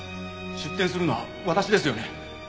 出店するのは私ですよね？